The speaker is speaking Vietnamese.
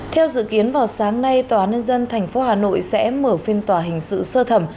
theo dự kiến vào sáng nay tòa án nhân dân tp hà nội sẽ mở phiên tòa hình sự sơ thẩm